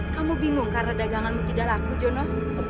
kamu bingung karena daganganmu tidak laku jono